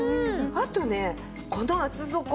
あとねこの厚底。